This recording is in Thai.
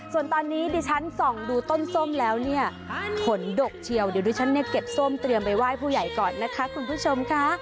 ส่วนตอนนี้ดิฉันส่องดูต้นส้มแล้วเนี่ยผลดกเชียวเดี๋ยวดิฉันเนี่ยเก็บส้มเตรียมไปไหว้ผู้ใหญ่ก่อนนะคะคุณผู้ชมค่ะ